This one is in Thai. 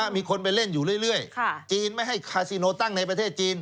มีคนไปเล่นอยู่เรื่อยจีนไม่ให้คาซิโนตั้งในประเทศจีน